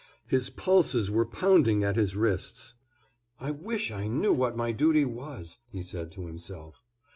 His pulses were pounding at his wrists. "I wish I knew what my duty was," he said to himself.